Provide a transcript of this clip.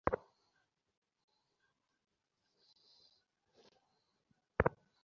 তিনি ইসলামী মতবাদ প্রচারের উদ্দেশ্যে ভারত গমন করেন।